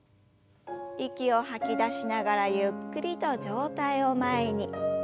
息を吐き出しながらゆっくりと上体を前に。